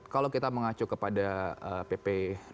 kalau kita mengacu kepada pp dua puluh tujuh